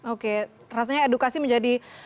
oke rasanya edukasi menjadi